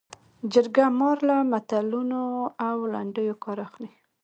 جرګه مار له متلونو او لنډیو کار اخلي